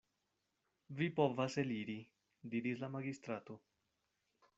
Vi povas eliri, diris la magistrato.